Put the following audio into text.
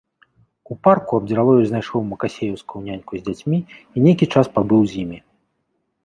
У парку Абдзіраловіч знайшоў макасееўскую няньку з дзяцьмі і нейкі час пабыў з імі.